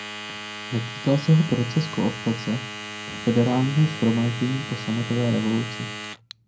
Netýkal se ho proces kooptace do Federálního shromáždění po sametové revoluci.